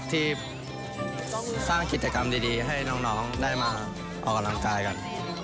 ที่สร้างกิจกรรมดีให้น้องได้มาออกกำลังกายกัน